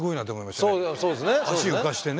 足浮かしてね。